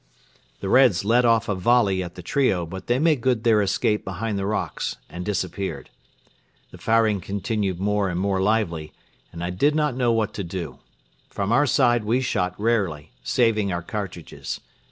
The Reds let off a volley at the trio but they made good their escape behind the rocks and disappeared. The firing continued more and more lively and I did not know what to do. From our side we shot rarely, saving our cartridges.